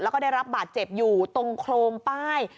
แล้วก็ได้รับบาดเจ็บอยู่ตรงโครงป้าย